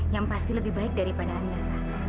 yang pasti lebih baik daripada anda